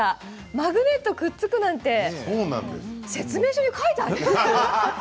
マグネットくっつくなんて説明書に書いてあります？